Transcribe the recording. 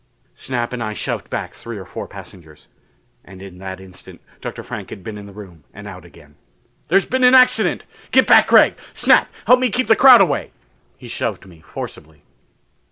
Snap and I shoved back three or four passengers. And in that instant Dr. Frank had been in the room and out again. "There's been an accident! Get back, Gregg! Snap, help me keep the crowd away." He shoved me forcibly.